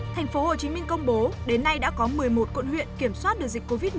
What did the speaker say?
thành phố hồ chí minh công bố đến nay đã có một mươi một cuộn huyện kiểm soát được dịch covid một mươi chín